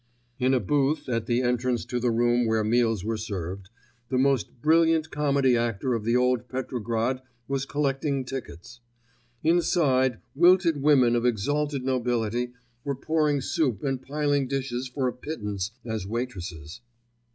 In a booth, at the entrance to the room where meals were served, the most brilliant comedy actor of the old Petrograd was collecting tickets. Inside wilted women of exalted nobility were pouring soup and piling dishes for a pittance as waitresses.